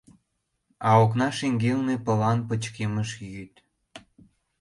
А окна шеҥгелне пылан, пычкемыш йӱд.